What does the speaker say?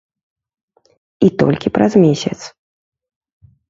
І толькі праз месяц.